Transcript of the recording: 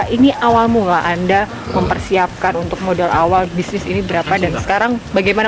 ini awal mula anda mempersiapkan untuk modal awal bisnis ini berapa dan sekarang bagaimana